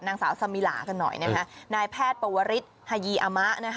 นางสาวซามิลากันหน่อยนายแพทย์ปวริษฐ์ฮะยีอามะ